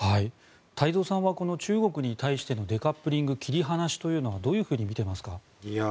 太蔵さんはこの中国に対してのデカップリング、切り離しはどういうふうに見ていますか？